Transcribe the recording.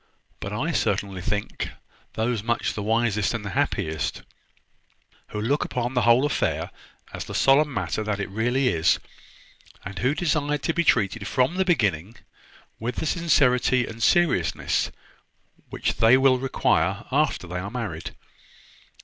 But I certainly think those much the wisest and the happiest, who look upon the whole affair as the solemn matter that it really is, and who desire to be treated, from the beginning, with the sincerity and seriousness which they will require after they are married."